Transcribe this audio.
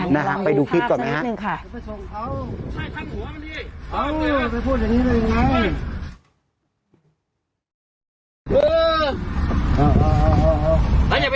น่าหากไปดูคลิปก่อนนะครับ